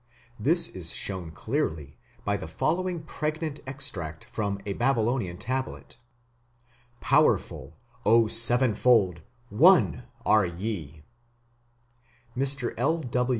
This is shown clearly by the following pregnant extract from a Babylonian tablet: "Powerful, O Sevenfold, one are ye". Mr.